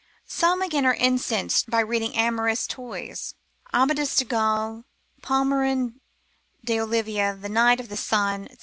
Some again are incensed by reading amorous toys, Amadis de Gaul, Palmerin de Oliva, the Knight of the Sun, &c.